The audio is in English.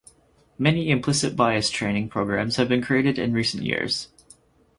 Many implicit bias training programs have been created in recent years.